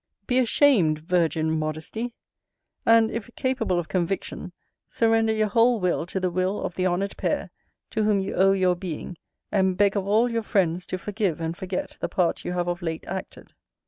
Be ashamed, Virgin Modesty! And, if capable of conviction, surrender your whole will to the will of the honoured pair, to whom you owe your being: and beg of all your friends to forgive and forget the part you have of late acted.